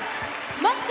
待って！